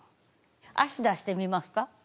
足出してみますか？